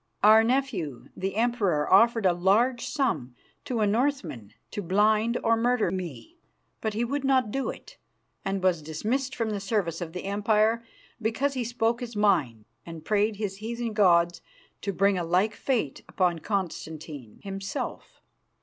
Our nephew, the Emperor, offered a large sum to a Northman to blind or murder me, but he would not do it, and was dismissed from the service of the Empire because he spoke his mind and prayed his heathen gods to bring a like fate upon Constantine himself.